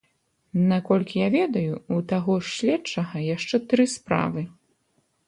Наколькі я ведаю, у таго ж следчага яшчэ тры справы.